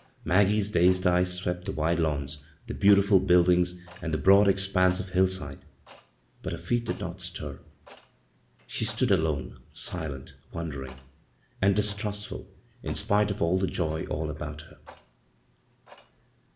Maggie's dazed eyes swept the wide lawns, the beautiful buildings, and the broad ex panse of hillnde, but her feet did not stir. She stood alone, silent, wondering, and dis trustful, in spite of the joy all about her.